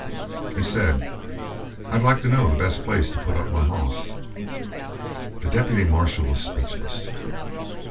He said: "I'd like to know the best place to put up my hoss." The deputy marshal was speechless.